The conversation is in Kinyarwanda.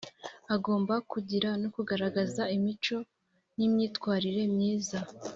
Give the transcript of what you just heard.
agomba kugira no kugaragaza imico n’imyitwarire myiza.